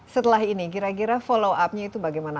setelah ini kira kira follow up nya itu bagaimana